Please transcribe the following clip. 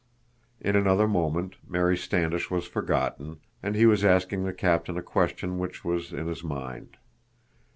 In another moment Mary Standish was forgotten, and he was asking the captain a question which was in his mind.